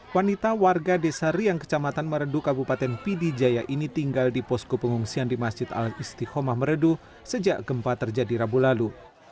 wanita warga desa riang kecamatan meredu kabupaten pidijaya ini tinggal di posko pengungsian di masjid al istihomah meredu sejak gempa terjadi rabu lalu